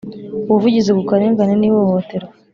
Ubuvugizi ku karengane n ihohoterwa